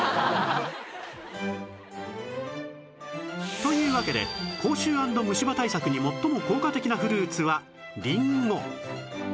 というわけで口臭＆虫歯対策に最も効果的なフルーツはりんご